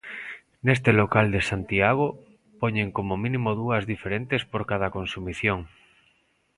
Neste local de Santiago poñen como mínimo dúas diferentes por cada consumición.